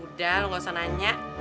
udah lu gak usah nanya